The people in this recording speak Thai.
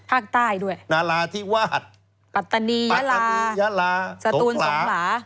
ภาคใต้ด้วยนาราที่วาดปัตตานียะลาปัตตานียะลาสตูนสงหรา